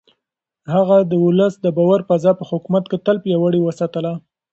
هغه د ولس د باور فضا په حکومت کې تل پياوړې وساتله.